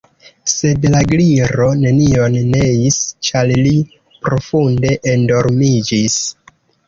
Sed la Gliro nenion neis, ĉar li profunde endormiĝis.